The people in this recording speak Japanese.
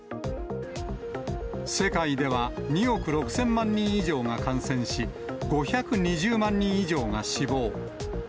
世界では２億６０００万人以上が感染し、５２０万人以上が死亡。